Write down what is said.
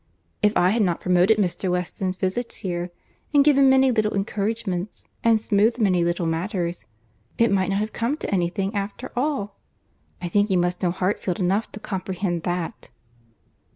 If I had not promoted Mr. Weston's visits here, and given many little encouragements, and smoothed many little matters, it might not have come to any thing after all. I think you must know Hartfield enough to comprehend that."